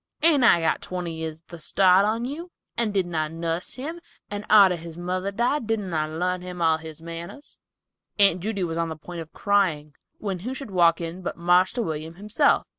Ain't I got twenty years the start on you; and didn't I nuss him, and arter his mother died didn't I larn him all his manners?" Aunt Judy was on the point of crying, when who should walk in but "Marster William" himself.